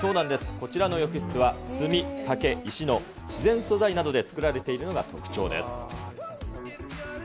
こちらの浴室は炭、竹、石の自然素材などで作られているのが特徴です。